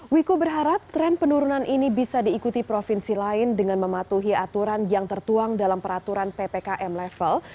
wiku berharap tren penurunan ini bisa diikuti provinsi lain dengan mematuhi aturan yang tertuang dalam peraturan ppkm level